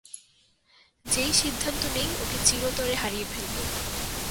যেই সিদ্ধান্ত নিই, ওকে চিরতরে হারিয়ে ফেলবো।